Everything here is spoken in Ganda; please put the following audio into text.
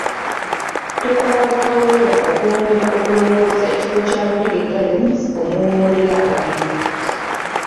Tukola butaweera okwongera okulongoosa ekifo kya Lubiri Gardens omuwummulira abagenyi.